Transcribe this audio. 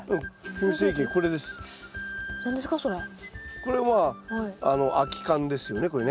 これは空き缶ですよねこれね。